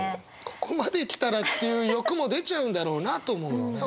ここまで来たらっていう欲も出ちゃうんだろうなと思うのね。